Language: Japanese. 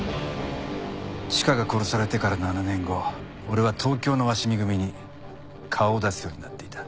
チカが殺されてから７年後俺は東京の鷲見組に顔を出すようになっていた。